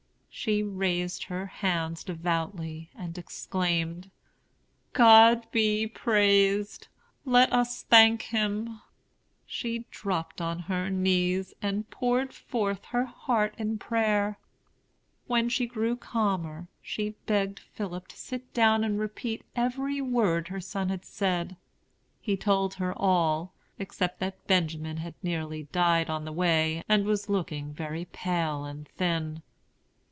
She raised her hands devoutly, and exclaimed, "God be praised! Let us thank Him." She dropped on her knees and poured forth her heart in prayer. When she grew calmer, she begged Philip to sit down and repeat every word her son had said. He told her all, except that Benjamin had nearly died on the way and was looking very pale and thin.